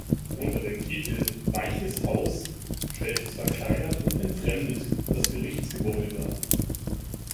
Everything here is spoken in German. Unter dem Titel „Weiches Haus“ stellt es verkleinert und entfremdet das Gerichtsgebäude dar.